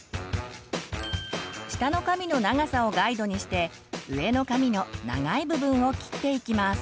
下の髪の長さをガイドにして上の髪の長い部分を切っていきます。